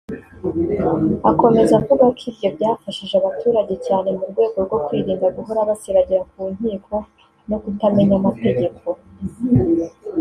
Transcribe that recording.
Akomeza avuga ko ibyo byafashije abaturage cyane mu rwego rwo kwirinda guhora basiragira ku nkiko no kutamenya amategeko